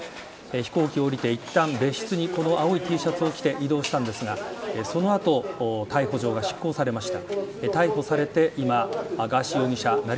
飛行機を降りていったん、別室に青いＴシャツを着て移動したんですがその後逮捕状が執行されました。